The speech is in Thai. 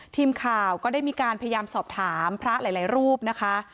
ทีมข่าวก็ได้มีการพยายามสอบถามพระหลายรูปนะคะ